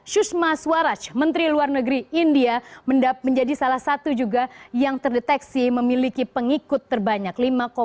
shusma swaraj menteri luar negeri india menjadi salah satu juga yang terdeteksi memiliki pengikut terbanyak